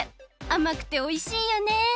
あまくておいしいよね。